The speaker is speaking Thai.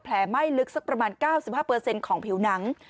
ไหม้ลึกสักประมาณ๙๕ของผิวหนัง